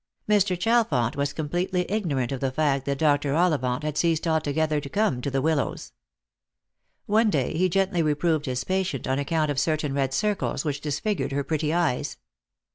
Mr. Chalfont was completely ignorant of the fact that Dr. Ollivant had ceased altogether to come to the Willows. One day he gently reproved his patient on account of certain red circles which disfigured her pretty eyes.